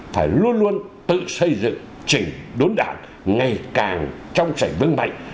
phải luôn luôn tự xây dựng chỉnh đốn đảng ngày càng trong sảnh vương mạnh